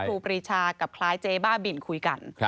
ครีชากับคล้ายเจ๊บ้าบินคุยกัน